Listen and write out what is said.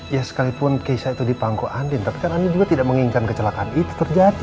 ya sekalipun keisai itu dipangko andin tapi kan anda juga tidak menginginkan kecelakaan itu terjadi